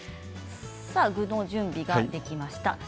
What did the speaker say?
具の準備ができました。